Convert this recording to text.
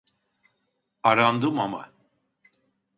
Arandım ama